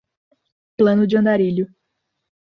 Plano de andarilho